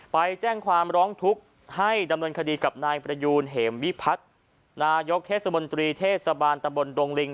ไปแจ้งความร้องทุกข์ให้ดำเนินคดีกับนายประยูนเหมวิพัฒน์นายกเทศมนตรีเทศบาลตะบนดงลิง